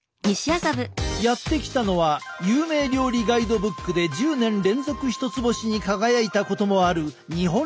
やって来たのは有名料理ガイドブックで１０年連続１つ星に輝いたこともある日本料理店。